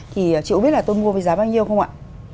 thì chị cũng biết là tôi mua với giá bao nhiêu không ạ